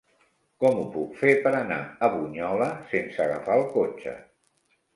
Com ho puc fer per anar a Bunyola sense agafar el cotxe?